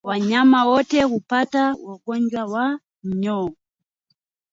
Wanyama wote hupata ugonjwa wa minyoo